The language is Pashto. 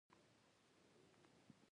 د ډیپټي کمیشنر ته عریضه وکړه.